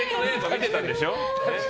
見てたでしょ。